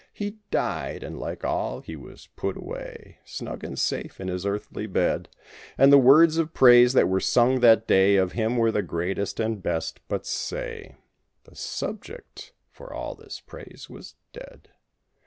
He died, and like all he was put away, Snug and safe in his earthly bed; And the words of praise that were sung that day Of him, were the greatest and best—but say! The subject for all this praise was dead.